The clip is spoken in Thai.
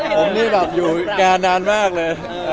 ผมนี่แบบอยู่การนานนานมากเลย